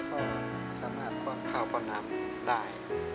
พ่อสามารถพาพ่อน้ำได้